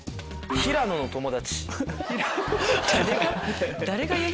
「平野の友達」